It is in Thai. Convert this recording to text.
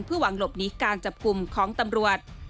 เพื่อหวังหลบนิการจับกลุ่มของตำรวจ